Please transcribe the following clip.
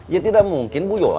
ya tidak mungkin bu yo